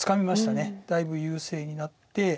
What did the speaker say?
だいぶ優勢になって。